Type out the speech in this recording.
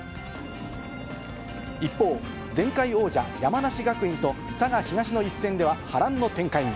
一方、前回王者、山梨学院と、佐賀東の一戦では波乱の展開に。